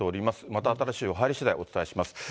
また新しい情報入りしだい、お伝えします。